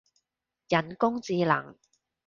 人工智能